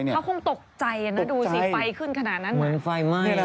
เขาคงตกใจนะดูสิไฟขึ้นขนาดนั้น